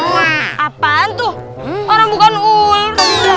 lah apaan tuh orang bukan ular